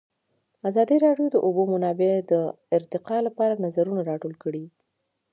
ازادي راډیو د د اوبو منابع د ارتقا لپاره نظرونه راټول کړي.